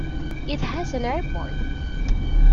It has an airport.